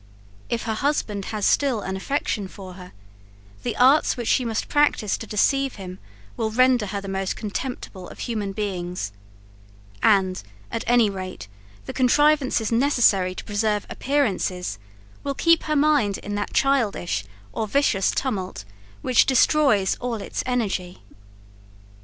If her husband has still an affection for her, the arts which she must practise to deceive him, will render her the most contemptible of human beings; and at any rate, the contrivances necessary to preserve appearances, will keep her mind in that childish or vicious tumult which destroys all its energy.